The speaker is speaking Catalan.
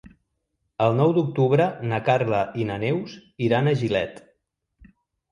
El nou d'octubre na Carla i na Neus iran a Gilet.